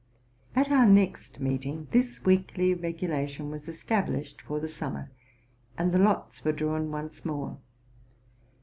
At our next meeting this weekly regulation was established for the summer, and the lots were drawn once more.